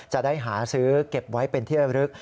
หาซื้อเก็บไว้เป็นเที่ยวลึก